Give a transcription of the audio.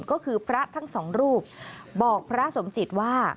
ก็คือพระทั้งสองรูปบอกพระสมจิตว่า